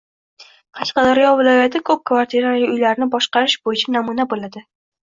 Qashqadaryo viloyati ko‘p kvartirali uylarni boshqarish bo‘yicha namuna bo‘ladi